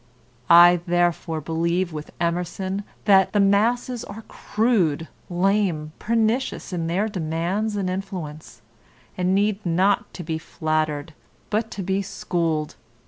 I therefore believe with Emerson that "the masses are crude, lame, pernicious in their demands and influence, and need not to be flattered, but to be schooled.